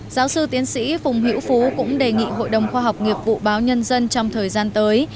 giáo sư tiến sĩ phùng hữu phú cũng đề nghị hội đồng khoa học nghiệp vụ báo nhân dân trong thời gian tới